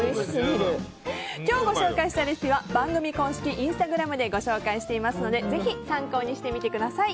今日ご紹介したレシピは番組公式インスタグラムでご紹介していますのでぜひ参考にしてみてください。